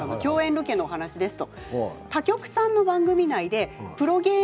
ロケの話ですね。